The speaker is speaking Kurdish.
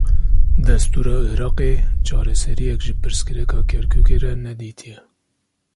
Destûra Iraqê, çareseriyek ji pirsgirêka Kerkûkê re nedîtiye